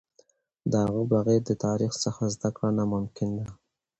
د هغه بغیر د تاریخ څخه زده کړه ناممکن ده.